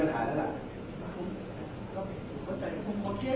แต่ว่าไม่มีปรากฏว่าถ้าเกิดคนให้ยาที่๓๑